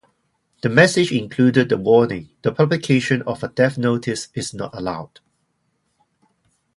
The message included the warning: The publication of a death notice is not allowed.